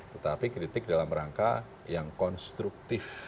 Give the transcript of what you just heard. tetapi kritik dalam rangka yang konstruktif